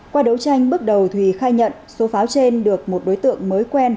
qua đấu tranh bước đầu thùy khai nhận số pháo trên được một đối tượng mới quen